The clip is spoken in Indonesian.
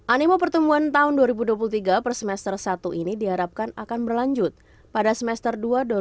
animo pertumbuhan tahun dua ribu dua puluh tiga per semester satu ini diharapkan akan berlanjut pada semester dua dua ribu dua puluh